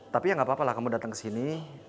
tapi ya gak apa apa lah kamu datang kesini